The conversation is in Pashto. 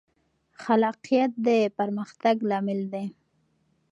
خلاقیت د پرمختګ لامل دی.